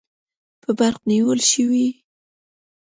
په برق نیول شوي